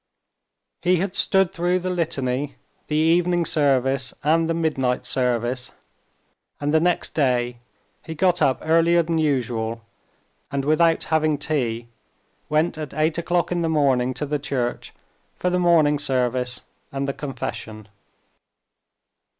He had stood through the litany, the evening service and the midnight service, and the next day he got up earlier than usual, and without having tea went at eight o'clock in the morning to the church for the morning service and the confession.